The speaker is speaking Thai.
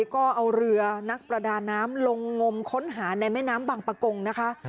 ก็เอาเรือนักประดาน้ำลงงมค้นหาในแม่น้ำบังปะกงนะคะ